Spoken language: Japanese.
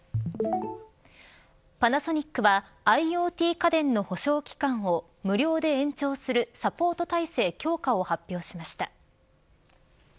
パナソニックはＩｏＴ家電の保証期間を無料で延長するサポート体制強化を発表しました。